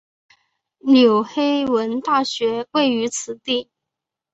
纽黑文大学位于此地。